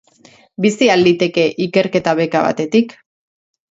Bizi al liteke ikerketa beka batetik?